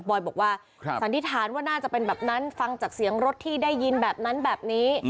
อยบอกว่าสันนิษฐานว่าน่าจะเป็นแบบนั้นฟังจากเสียงรถที่ได้ยินแบบนั้นแบบนี้